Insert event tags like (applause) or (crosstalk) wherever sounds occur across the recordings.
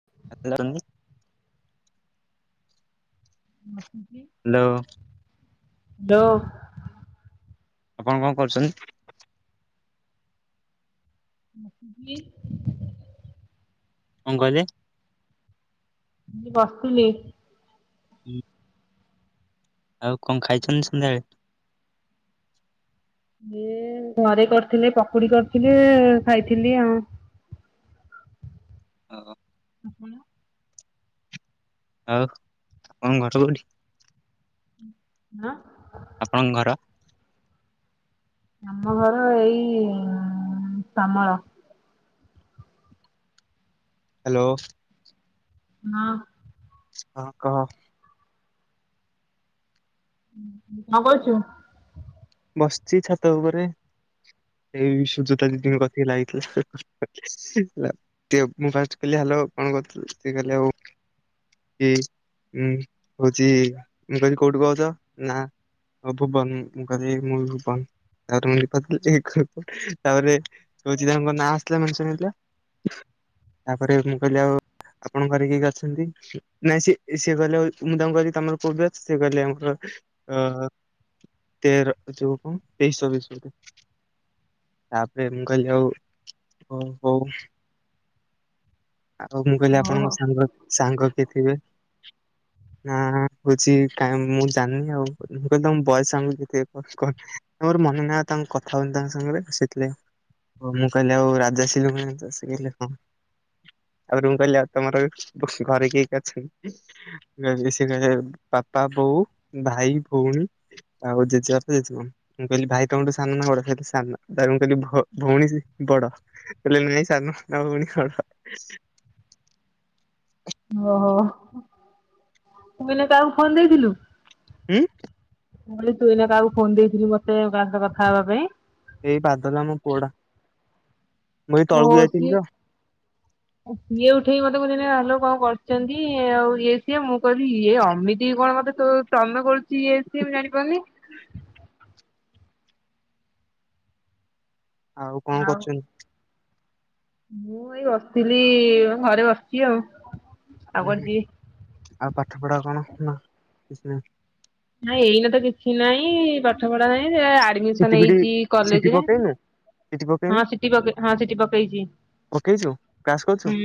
(unintelligible) (unintelligible) Hello! (inaudible) ଆପଣ କଣ କରୁଛନ୍ତି? (unintelligible) କଣ କହିଲେ? ମୁ ବସିଥିଲି। ହୁଁ। ଆଉ କଣ ଖାଇଛନ୍ତି ସନ୍ଧ୍ୟାବେଳେ? ଘରେ କରିଥିଲେ ପକୁଡି କରିଥିଲେ ଖାଇଥିଲି ଆଉ। (inaudible) ଓହ। ଆପଣ? ଆଉ ତମ ଘର କଉଠି? ଆଁ ଆପଣଙ୍କ ଘର? ଆମ ଘର ଏଇ ଶାମଳ ହ୍ୟାଲୋ। ହଁ। ହ କହ? କଁ କଉଚୁ? ବସିଛି ଛାତ ଉପରେ, ଏଇ ସୁଜାତା ଦିଦିଙ୍କ କତିକି ଲାଗିଥିଲା ମୁଁ ଫାଷ୍ଟ କହିଲି ହାଲୋ କଣ କରୁଚ, ସିଏ କହିଲେ ଆଉ କି ଉଁ କଉଛି ମୁ କହିଲି କୋଉଠି କହୁଛ? ନା ଆପବନ ମୁ ମୁଳପ ତାପରେ ମୁ ତାପରେ ତାଙ୍କ ନାଁ ଆସିଲା ମେନସନ ହେଇଥିଲା ତାପରେ ମୁଁ କହିଲି ଆଉ ଆପଣ ଘରେ କିଏ କିଏ ଅଛନ୍ତି? ନାଇଁ ସେ ସିଏ କହିଲେ ମୁଁ ତାଙ୍କୁ କହିଲି ତମର କୋଉ ବ୍ୟାଚ ସିଏ କହିଲେ ଆମର ହଅ। ଅ ତେର ଚଉକୁ ତେଇଶି ଚବିଶି ତାପରେ ମୁଁ କହିଲି ହଉ ଆଉ ମୁଁ କହିଲି ଓହୋ ଆପଣଙ୍କ ସାଙ୍ଗ ସାଙ୍ଗ କିଏ ଥିବେ? ନା କହୁଚି କାଇଁ ମୁଁ ଜାଣିନି ଆଉ କହ ବୟସ ସା କ ମୋର ମନେ ନାହିଁ ତାଙ୍କ କଥା ହବ ତାଙ୍କ ସାଙ୍ଗରେ ଆସିଥିଲେ ହ ମୁଁ କହିଲି ଆଉ ରାଜାଶି ଲୁ ତାପରେ ମୁଁ କହିଲି ଆଉ ତମର ଘରେ କିଏ କିଏ ଅଛନ୍ତି? ସିଏ କହିଲେ ବାପା ବୋଉ ଭାଇ ବଉଣୀ। ଆଉ ଜେଜେ ବାପା ତ ଜେଜେ ମା। ମୁଁ କହିଲି ଭାଇ ତମଠୁ ସାନ ନା ଗଡ ସହିତ ସାନ ମୁଁ କହିଲି ଭଉଣୀ ବଡ଼। ଏ ସାନ ଭଉଣୀ ବଡ଼। ଓହୋ, ମୁଁ କହିଲି ଆଉ କାହାକୁ ଫୋନ ଦେଇଥିଲୁ? ହୁଁ ମୁଁ କହିଲି ତୁ ଏଇନା କାହାକୁ ଫୋନ ଦେଇଥିଲି ମତେ କା ସହିତ କଥା ହବା ପାଇଁ। ଏଇ ବାଦଲ ମାମୁଁ ପୋଡା। ହ ସିଏ, ସିଏ ଉଠେଇମ ସବୁଦିନେ ଆଲୋକ ବାବୁ କରୁଛନ୍ତି ଆଉ ଇଏ ସିଏ ମୁଁ କହିଲି ଇଏ ଅମିତି କଣ ମତେ ତ ତମେ କରୁଛ କିଏ ସିଏ ମୁଁ ଜାଣିପାରୁନି? ଆଉ କଣ କରୁଛନ୍ତି? ମୁଁ ଏଇ ବସିଥିଲି ଘରେ ବସିଛି ଆଉ। ଆଉ କୁଆଡେ ଯିବି। ଆଉ ପାଠପଢ଼ା କଣ ନା ନାଇଁ ଏଇନ ତ କିଛି ନାଇଁ ପାଠ ପଢା ହେଇ ସେ ସିଟି ଆଡମିସନ ଫିଟି ହେଇଛି ସିଟି କଲେଜରେ ପକେଇନୁ ସିଟି ପକେଇନୁ ହଁ ସିଟି ପକେ ହଁ ସିଟି ପକେଇଛି। ପକେଇଛୁ କ୍ଲାସ କରୁଛୁ ହୁଁ,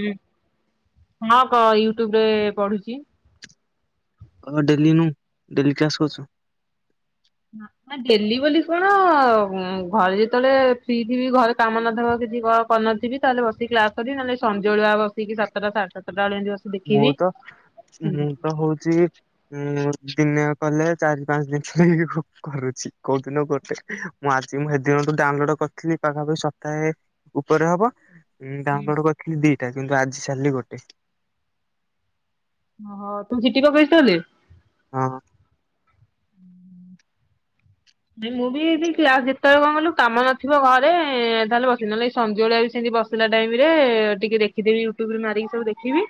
ହଁ କ ୟୁଟ୍ୟୁବରେ ପଢୁଛି। କହ ଡେଲି ନୁ ଡେଲି କ୍ଲାସ କରୁଛୁ? ଡେଲି ବୋଲି କଣ ଘରେ ଯେତେବେଳେ ଫ୍ରି ଥିବି ଘରେ କାମ ନଥବ ଯଦି ଘର କରିନଥିବି ତାହେଲେ ବସି କ୍ଲାସ କରିିବି ନହେଲେ ଯାଇ ସଞ୍ଜଓଳୁଆ ବସିକି ସାତଟା ସାଢେ ସାତଟା ବେଳେ ଏମିତି ବସିକି ମୁଁ ଦେଖିବି। ତ ମୁଁ ତ ହଉଚି ଉଁ ଦିନେ କଲେ ଚାରି ପାଞ୍ଚ ଦିନ ରେ କରୁଛି। କୋଉ ଦିନ ଗୋଟେ ମୁଁ ଆଜି ମୁଁ ଏଦିନୁଠୁ ଡାଉଁଲୋଡ କରିଥିଲି ପାଖାପାଖି ସପ୍ତାହେ ଉପରେ ହବ ଉଁ ତାଙ୍କର କରିଥିଲି ଦିଟା କିନ୍ତୁ ଆଜି ସାରିଲି ଗୋଟେ ଓହଁ ତୁ ଚିଠି ପକେଛୁ ତାହେଲେ ହଁ ନାଇ ମୁଁ ବି କ୍ଲାସ ଯେତେବେଳେ କଣ କହିଲୁ କାମ ନଥିବ ଘରେ ତାହେଲେ ବସି ନହେଲେ ସଞ୍ଜବେଳେ ବସି ବସିଲା ଟାଇମରେ ଟିକେ ଦେଖିଦେବି ୟୁଟୁବରେ ମାରିକି ସବୁ ଦେଖିବି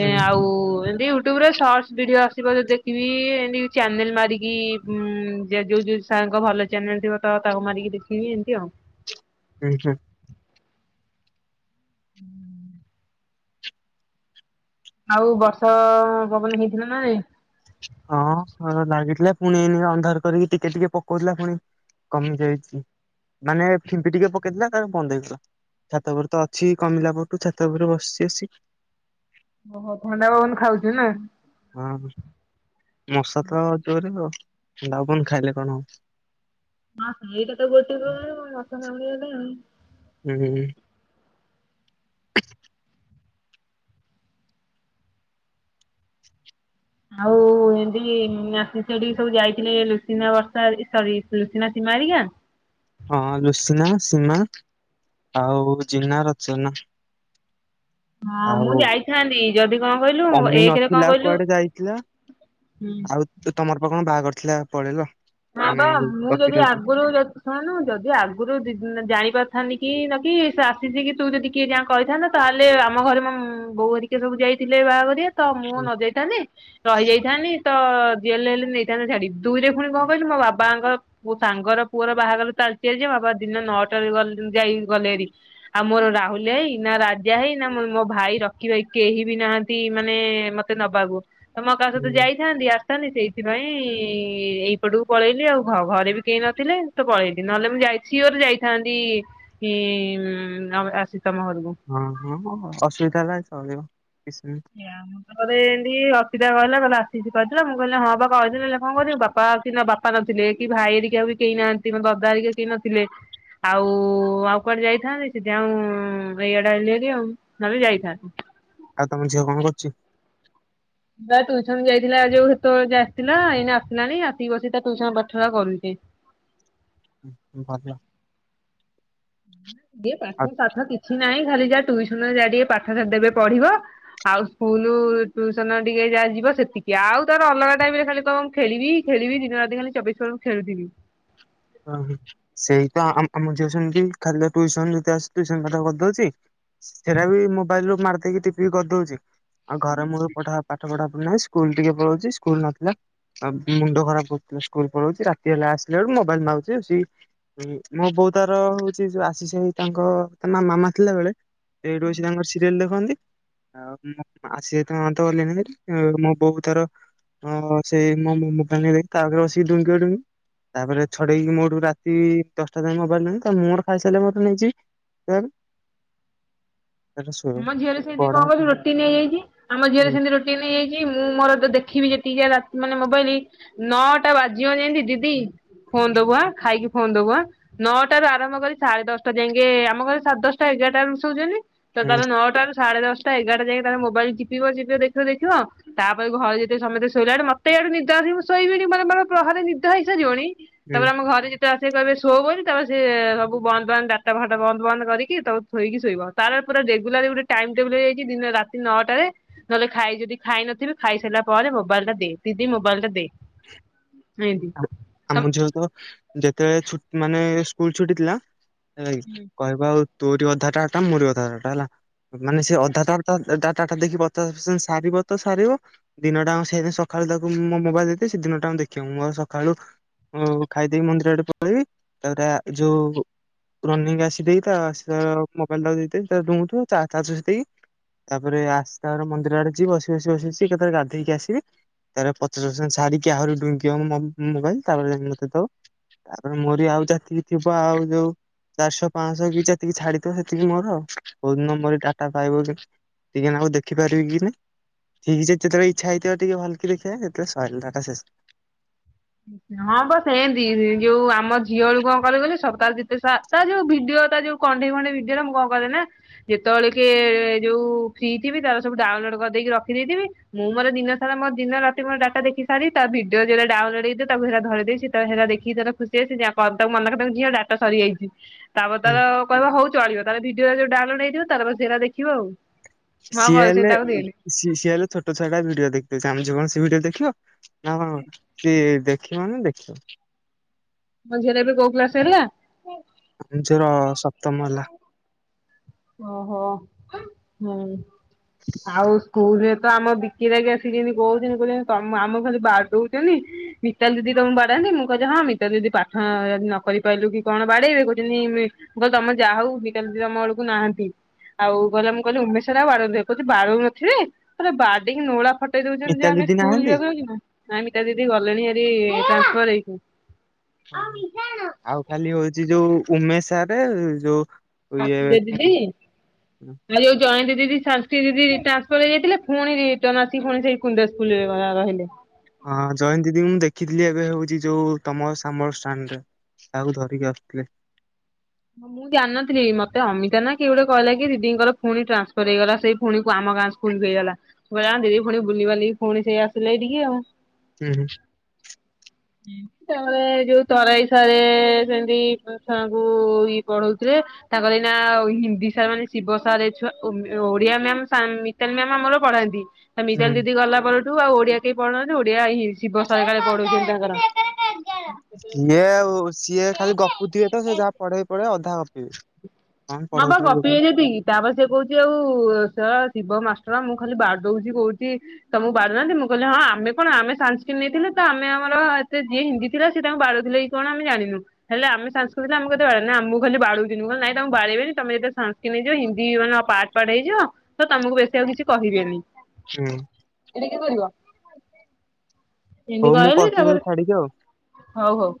ହୁଁ ଆଉ ଏମତି ୟୁଟ୍ୟୁବରେ ସର୍ଟ ଭିଡିଓ ଆସିବ ଯଦି ଦେଖ ଦେଖିବି ଏ ଚ୍ୟାନେଲ ମାରିକି ଉଁ ଯୋଉ ଯୋଉ ସାର ଙ୍କ ଭଲ ଚ୍ୟାନେଲ ଥିବ ତ ତାକୁ ମାରିକି ଦେଖିବି ଏମିତି ଆଉ (inaudible) ଆଉ ବର୍ଷାପବନ ହେଇଥିଲା ନା ହଁ ଲାଗିଥିଲା ପୁଣି ଏଇନେ ଅନ୍ଧାର କରିକି ଟିକେ ଟିକେ ପକଉଥିଲା ପୁଣି କମି ଯାଇଛି ମାନେ ଫିମ୍ପି ଟିକେ ପକେଇଥିଲା ତାପରେ ବନ୍ଦ ହେଇଗଲା ଛାତଉପରେ ତ ଅଛି କମିଲାପଟୁ ଛାତ ଉପର ବସିଛି ଆସିକି ଓହୋ ଥଣ୍ଡାପବନ ଖାଉଛି ନା ହଁ ମଶା ତ ଜୋରେ ଆଉ ଖାଇଲେ କଣ ହବ ହଁ ସେ ଏଇଟା ତ ଗୋଟି ମଶା କାମୁଡି ବା ପାଇଁ ହୁଁ ହୁଁ (inaudible) ଆଉ ଏମତି ସେଠି ସବୁ ଯାଇଥିଲେ ଲୁସିନା ବର୍ଷା ସରି (inaudible) ମାଡିଆ ହଁ ଲୁସିନା ସୀମା ଆଉ ଜିନା ରଚନା ହଁ ଆଉ ମୁଁ ଯାଇଥାନ୍ତି ଯଦି କ'ଣ କହିଲୁ ଅମି ଏକରେ କ'ଣ ନଥିଲା କହିଲୁ କୁଆଡେ ଯାଇଥିଲା ଆଉ ତମର ପାଖ କଣ ବାହାଘରଥିଲା ଥିଲା ପଳେଇଲ ହଁ ବା ତମେ ମୁଁ ଯଦି ଅର୍ପିତାକୁ ଆଗରୁ ଶୁଣନୁ ଯଦି ଆଗରୁ ଜାଣିବା ଥାନି କି ନକି ସେ ଆସିଛି କି ତୁ ଯଦି କିଏ ଯା କହିଥାନ୍ତା ତାହେଲେ ଆମ ଘରେ ମୋ ବୋଉ ହେରିକା ସବୁ ଯାଇ ଇଏ ଥିଲେ ବାହାଘରିଆ ତ ମୁଁ ନ ହୁଁ ଯାଇଥାନ୍ତିି ରହିଯାଇଥାନ୍ତିି, ତଯିହେହେଲେ ନେଇଥାନ୍ତେ ଛାଡି ତୁ ଇରେ ପୁଣି କଣ କହିଲୁ ମୋ ବାବାଙ୍କ ମୋ ସାଙ୍ଗର ପୁଅର ବାହାଘର ଚାଲିଛି ଆଜି ବାବା ଦିନ ନଅଟାରୁ ଯାଇଗଲେଣି। ଆଉ ମୋର ରାହୁଲ ହେଇ ନା, ରାଜା ହେଇ ନା ମୋ ଭାଇ ରକିବା କେହି ବି ନାହାନ୍ତି ମାନେ ମତେ ନବାକୁୁ ତ ମୋ କାହା ସହିତ ହୁଁ, ଯାଇଥାନ୍ତି ଆସିଥାନ୍ତି ସେଇଥିପାଇଁ ସେପଟକୁ ପଳେଇଲି ଆଉ ଘରେ ବି କେହି ନଥିଲେ ତ ପଳେଇଲି ନହେଲେ ମୁଁ ସିଓର ଯାଇଥାନ୍ତି ଇଁ (inaudible) ହଁ ହଁ ଅସୁବିଧା ହେଲା ଚଳିବ କିଛି ନାହିଁ। ଥରେ ଏମିତି ଅଚ୍ଛିତା କହିଲା କହିଲା ଆସିିକି କହିଥିଲା, ମୁଁ କହିଲି ବାପା କହିି ହେଲେ କଣ କରିବି ବାପା ନା ବାପା ନଥି ଥିଲେ କି ଭାଇହେରିକା ବି କେହି ନାହାନ୍ତି ମୋ ଦାଦା ହେରିକା କେହିନଥିଲେ ଆଉ ଆଉ କୁଆଡେ ଯାଇଥାନ୍ତି ସେଥି ଆଉ ଏଇଆଡେ ଆଇଲିହାରି ଆଉ ନହେଲେ ଯାଇଥାନ୍ତେ। ଆଉତମ ଝିଅ କଣକରୁଛି? ତା ଟୁଇସନ ଯାଇଥିଲା ଯୋଉ ଏତେବେଳୁ ଆସିଥିଲା ଏଇନେ ଆସିଲାଣି ଆସିକି ବସି ଟିଉସନ ପାଠ କରୁଛି। (inaudible) ଇଏ ଆଉ ପାଠ ସାଠ କିଛି ନାହିଁ ଖାଲି ଯାହା ଟୁଇସନ ଯା ଟିକେ ପାଠ ଦେବେ ପଢିବ ଆଉ ସ୍କୁଲ ଟୁଇସନ ଟିକେ ଯାହା ଯିବ ସେତିକି, ଆଉ ତାର ଅଲଗା ଟାଇମରେ ଖାଲି କହିବ ମୁଁ ଖେଳିବି ଖେଳିବି ଦିନରାତିି କାଲି ଚବିଶ ଥରକୁ ଖେଳଥିବି। ତ ସେଇ ତ ଆମ ଝିଅ ସେମିତି ଖାଲି ଟିଉସନରୁ ଆସୁଛୁ ଟିଉସନ ପାଠ କରିଦଉଛି ସେରା ବି ମୋବାଇଲରୁ ମାରିଦେହିକି ଟିପି କରିଦଉଛି, ଆଉ ଘରେ ମୁଲୁରୁ ପାଠ ପଢା ନାଁ ସ୍କୁଲ ଟିକେ ପଳେଉଛି ସ୍କୁଲ ନଥିଲା। ଆଉ ମୁଣ୍ଡ ଖରାପ କରି ପଳହୁଛି ରାତି ହେଲା ଆସିଲା ବେଳକୁ ମୁଁ ମୋବାଇଲ ମାଗୁଚ଼ି ସି ମୋ ବୋଉ ତାର ହଉଚ଼ି ଯୋଉ ଆସିସି ଆଇ ତାଙ୍କ ତା ମା ମାମା ଥିଲା ବେଳେ ଏଇଠି ବସିକି ତାଙ୍କର ସିରିଏଲ ଦେଖନ୍ତି ଆଉ ମୋ ଆସି ଆଇ ତାଙ୍କ ତ ଅଲିନିନିତ୍ ମୋ ବୋଉ ତାର ହଁ (unintelligible) ସେଇ ମୋ ମୋ ମୋବାଇଲ୍ ନେଇଯାଇକି ତା ଦିହ ରେ ବସିକି ଡୁଙ୍ଗିବ ଡୁଙ୍ଗି ତାପରେ ଛଡେଇକି ମୋଠୁ ରାତି ଦଶଟା ଯାଏ ମୋବାଇଲ ନେ ତା ପରେ ମୁ ମୋର ଖାଇସାଇଲା ପରେ ନେଇଯିବି ତାରୁ ଆମ ଝିଅରେ ସେମିତି କଁ ପଢା କଇଲୁ ହୁଁ ରୋଟିନି ହେଇଯାଇଚ଼ି ଆମ ଝିଅର ସେମିତି ରୋଟିନି ହେଇଚ଼ି ମୁଁ ମୋର ଦେଖିବି ଯେ (unintelligible) ରାତ୍ ମାନେ ମୋବାଇଲି ନଅଟା ବାଜିବ ଯେମିତି ଦିଦି ଫୋନ ଦବୁ ଆ ଖାଇକି ଫୋନ ଦବୁ ଆ ନଅଟାରୁ ଆରମ୍ଭ କରି ସାଢେ ଦଶଟା ଯାଁକେ ଆମ ଘରେ ସାଢେ ଦଶଟା ହେଇ ଏଗାରଟା ଏଳରୁ ଶୋଉଚନ୍ତି ତ ତାର ହୁଁ ନଅଟା ରୁ ସାଢେ ଦଶଟା ଏଗାରଟା ଯାକେ ତାର ମୋବାଇଲ ଚିପିବ ଚିପିବ ଦେଖିବ ଦେଖିବ ତାପରେ ଘରେ ଯେତେ ସମେତେ ଶୋଇବେ ଆଗେ ମତେ (unintelligible) ନିଦ ଆସିବ ମୁଁ ଶୋଇବିନି ମରେ ମରେ ପ୍ରହାରେ ନିଦ ହେଇ ସାରିବନି ହୁଁ। ତାପରେ ଆମ ଘରେ ଯେ ସେ କହିବେ ଶୋ ବୋଲି ତାପ ସିଏ ସବୁ ବନ୍ଦ ବାନ୍ଦ ଡାଟ ଫାଟା ବନ୍ଦ ବାନ୍ଦ କରିକି ତା ପଏ ଥୋଇକି ଶୋଇବ ତାର ପୁରା ରେଗୁଲାର ଗୋଟେ ଟାଇମ ଟେବୁଲ ହେଇଯାଇଚ଼ି ଦିନ ରାତି ନଅଟାରେ ନହେଲେ ଖାଇ ଯଦି ଖାଇ ନଥିବେ ଖାଇସାଇଲା ପରେ ମୋବାଇଲଟା ଦେ ଦିଦି ମୋବାଇଲଟା ଦେ (inaudible) (unintelligible) ଆମ ହୁଁ। ଝିଅ ତ ଯେତେଏଳେ ଛୁଟ୍ ମାନେ ସ୍କୁଲ ଛୁଟି ଥିଲା ଏଲାକି କହିବ ଆଉ ତୋରି ଅଧା ଟା ଟା ମୋରି ଅଧା ଟା ଏଲା ମାନେ ସେ ଅଧା ତାର ଟା ତା ତାଟା ଦେଖି ପଚାଶ ପସେଣ୍ଟ ସାରିବ ତ ସାରିବ ଦିନଟା ସେମି ସଖାଳୁ ତାକୁ ମୋ ମୋବାଇଲ୍ ଦେଇେ ସେ ଦିନଟା ଦେଖିବ ମୋର୍ ସଖାଳୁ ଓ ଖାଇଦେଇକି ମନ୍ଦିର ଆଡ଼େ ପଳେଇବି ତାପରେ ଆ ଯୋଉ ରନିଙ୍ଗ୍ ଆସି ଦେଇେକି ତା ସାଆ ମୋବାଇଲ ଟାକୁ ଦେଇଦେଇକି ତା ଡୁଙ୍ଗୁଥିବ ଚା ଚାଜ୍ ବସେଇ ଦେଇକି ତାପରେ ଆସ୍ ତାର ମନ୍ଦିର ଆଡେ, ଯିବ ସି ବସି ବସି ବସି କେତେବେଳେ ଗାଧେଇକି ଆସିବି। ତାର ପଚାଶ୍ ପସେଣ୍ଟ ସାରିକି ଆହୁରି ଡୁଙ୍ଗିବ ମୋ ମମ୍ ମୋବାଇଲ୍ ତାପରେ ମତେ ଦେଦବ ତାପରେ ମୋରି ଆଉ ଯା ଥି ଥିବ ଆଉ ଯୋଉ ଚାରଶଅ, ପାଁଶଅ କି ଯେତିକି ଛାଡିଥିବ ସେତିକି ମୋର ବହୁତ୍ ନମ୍ବର ଡାଟା ପାଇବ ଟିକେ ନାଗୁରୁ ଦେଖି ପାରିବି କି ନାଇ। ଠିକି ସେ ଯେତେଏଳେ ଇଚ୍ଛା ହେଇଥିବ ଟିକେ ଭଲକି ଦେଖିବା ଏତେ ସଇଲା ଡ଼ାଟା ଶେଷ୍। ହଁ ପା ସେମିତି (unintelligible) ଯୋଉ ଆମ ଝିଅ ରୁ କଁ କରେ କଇଲ ସପ୍ତାହ ଯେତେ ସା ତା ଯୋଉ ଭିଡିଓ ତା ଯୋଉ କଣ୍ଢେଇ ଫଣ୍ଢେଇ ଭିଡିଓ ମୁଁ କଁ କରେ ନା ଯେତେବେଳେ କେ ଏଯୋଉ ଫ୍ରି ଥିବି ତାର ସବୁ ଡାଉ ଲୋଡ୍ କର୍‌ଦେଇକି ରଖିଦେଇ ଥିବି, ମୁଁ ମୋର ଦିନ ସାରା ମୋ ଦିନ ରାତି ମୋ ଡ଼ାଟା ଦେଖି ସାରି ତା ଭିଡିଓ ଯୋଉରା ଡାଉନଲୋଡ୍ ହେଇ ତାପରେ ସେରା ଧରେ ଦେଇକି, ସେ ତାର ସେରା ଦେଖି ତାର ଖୁସି ହେଇ ସେ ଯା ତାକୁ ମନା କରଦେମି ଝିଅ ଡାଟା ସରିଯାଇଚ଼ି। ତାପରେ ହୁଁ ତାର କହିବ ହଉ ଚଳିବ ତାର ଭିଡିଓ ଉରା ଯୋଉ ଡାଉନ୍‌ଲୋଡ୍ ହେଇଥିବ ତାର ବସି ସେରା ଦେଖିବ ଆଉ। ମୁଁ ଆଉ ସିଏ କରି ହେଲେ ତାକୁ ଦିଏନି ସି ସି ଏଲେ ଛୋଟ ଛୁଆ ଭିଡିଓ ଦେଖି ଆମ ଝିଅ କଁ ବିଡ଼ିଅ ଦେଖିବ ନା କଣ ସିଏ ଦେଖିବ ନେ ଦେଖିବ। ତମ ଝିଅର ଏବେ କୋଉ କ୍ଲାସ୍ ହେଲା? ଆମ୍ ଝିଅର ସପ୍ତମ ଏଲା। ଓହୋ ହୁଁ ଆଉ ସ୍କୁଲ ରେ ତ ଆମ ବିକି ଯାଇଁକି ଆସିକିଣି କହୁଚ଼ନ୍ତି, କହୁଚ଼ନ୍ତି ତ ଆମ ଖାଲି ବାଡ଼ଉଚ଼ନ୍ତି ମିତାଲ୍ ଦିଦି ତମକୁ ବାଡ଼ା ନ୍ତି ମୁଁ କହିଲି ହଁ ମିତାଲ୍ ଦିଦି ପାଠ ଅଁ ନ କରି ପାରିଲୁ କି କଣ ବାଡେଇବେ କହୁଚ଼ନ୍ତି ମୁଁ କହିଲି ତମେ ଯାହା ହଉ ମିତାଲ୍ ଦିଦି ତମ ଏଳକୁ ନାହାନ୍ତି। ଆଉ କହିଲେ ମୁଁ କହିଲି ଉମେଶ୍ ସାର୍ ଆଉ ବାଡ଼ଉ ନଥିବେ କହୁଚ଼ି ବାଡ଼ଉ ନଥିବେ ପୁରା ବାଡ଼େଇକି ନୋଳା ଫଟ୍ ଟେଇ ଦଉଛନ୍ତି ମିତାଲି ଆମେ ଦିଦି ସ୍କୁଲ୍ ନାହାନ୍ତି ଯିବାକୁ ନା ଆମିତା ଦିଦି ଗଲେଣି ଭାରି ଟ୍ରାନ୍ସଫର ହେଇକି ଅ ହ ଆଉ ଖାଲି ହଉଚ଼ି ଯୋଉ ଉମେଶ୍ ସାରେ ଯୋଉ ସସ୍ମିତା ଦିଦି ଇଏ ଆଉ ଯୋଉ ଜଣେ ଦିଦି ଶାନ୍ତି ଦିଦି ଟ୍ରାନସ୍‌ଫର ହେଇଯାଇଥିଲେ ପୁଣି ରିଟନ୍ ଆସିକି ପୁଣି ସେଇ କୁଣ୍ଡା ସ୍କୁଲ ରେ ର ରହିଲେ। ହଁ ଜୟନ୍ତ ଦିଦି କି ମୁଁ ଦେଖିଥିଲି ଏବେ ହଉଚ଼ି ଯୋଉ ତମ ସାମଲ ଷ୍ଟାଣ୍ଡ ରେ। କାହାକୁ ଧରିକି ଆସୁଥିଲେ। ମୁଁ ଜାଣି ନଥିଲି ମତେ ଅମିତା ନା କିଏ ଗୋଟେ କହିଲା କି ଦିଦିଙ୍କର ଫୁଣି ଟ୍ରାନ୍ସଫର ହେଇଗଲା ସେ ଫୁଣି କୁ ଆମ ଗାଁ ସ୍କୁଲକୁ ହେଇଗଲା କହିଲା ଦିଦି ପୁଣି ବୁଲିବାଲି ପୁଣି ସେ ଆସିଲେ ଏଟିକି ଆଉ। ହୁଁ। ତଳେ ଯୋଉ ତଳେ ତଳେ ସେମିତି ଛୁଆଙ୍କୁ ଇଏ ପଢଉଥିଲେ ତା କଲେ ନା ହିନ୍ଦୀ ସାର୍ ମାନେ ଶିବ ସାର୍ଛୁଆ ଓଡିଆ ମ୍ୟାମ ମିତାଲି ମ୍ୟାମ ଆମର ପଢାନ୍ତି ତ ମିତାଲ ଦିଦି ଗଲା ପରଠୁ ଆଉ ଓଡିଆ କେହି ପଢଉ ନାହାନ୍ତି ଓଡ଼ିଆ ଶିବ କାଳେ ପଢୁଛନ୍ତ (inaudible) ସିଏ ଆଉ ସିଏ ଖାଲି ଗପୁଥିବେ, ତ ସେ ଯାହା ପଢେଇ ପଢେଇ ଅଧା ଗପିବେ? କଣ ହଁ ବା ପଢଉଥିବେ ଗପି କେଜାଣି ହେବେନି କି ତାପରେ ସେ କହୁଛି ଆଉ ଶଳା ଶିବ ମା ମୁଁ ଖାଲି ବାଡ଼େଇ ଦଉଛି କହୁଛି ତମୋକୁ ବାଡ଼ଉ ନାହାନ୍ତି, ମୁଁ କିଲି ହଁ ଆମେ କଣ ଆମେ ସାସ୍କ୍ରିଟ ନେଇଥିଲେ ତ ଆମେ ଆମରତ ଯିଏ ହିନ୍ଦ ଥିଲା ସେ ତାଙ୍କୁ ବାଡ଼ଉ ଥିଲେ କି କଣ ଆମେ ଜାଣିନୁ, ହେଲେ ଆମେ ସଂସ୍କୃତ ଆମ କେତେବେଳେ ବାଡ଼େଇ ବେ ବାଡ଼ଉଥିଲି ନହିଁ ତମକୁ ବାଡ଼ଇବିନି ତମେ ଯେବେ ସଂସ୍କୃତ ନେଇଯିବ ହିନ୍ଦୀ ମାନେ ପାର୍ଟ ପାର୍ଟ ହେଇଯିବ ତ ତମକୁ ବେଶୀ ଆଉ କିଛି କହିବିନି। ହୁଁ। (unintelligible) ହିନ୍ଦୀ ହଉ କଣ ମୁଁ ନେଲି, କରୁଛି ତତେ ତାପରେ ଛାଡିକି ଆଉ। ହଉ ହଉ।